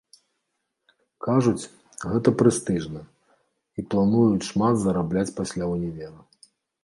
Кажуць, гэта прэстыжна, і плануюць шмат зарабляць пасля ўнівера.